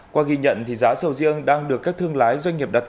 qua ghi nhận thì giá sầu riêng đang được các thương lái doanh nghiệp đặt